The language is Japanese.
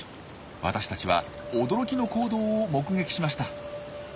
私たちは驚きの行動を目撃しました。